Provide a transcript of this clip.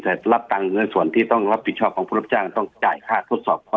แต่รับตังค์เงินส่วนที่ต้องรับผิดชอบของผู้รับจ้างต้องจ่ายค่าทดสอบข้อ